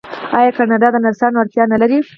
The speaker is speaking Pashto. آیا کاناډا د نرسانو اړتیا نلري؟